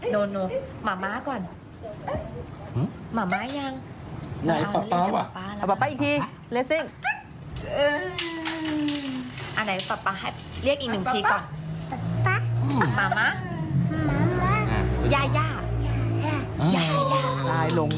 โบนมาม่าก่อนหือมาม่ายัง